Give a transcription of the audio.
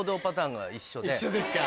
一緒ですか。